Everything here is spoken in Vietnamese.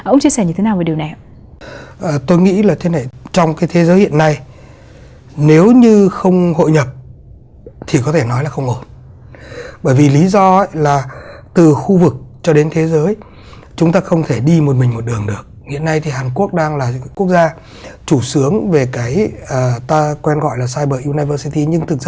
ông chia sẻ như thế nào về điều này